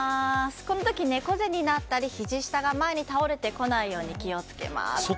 この時、猫背になったりひじ下が前に倒れてこないように気を付けます。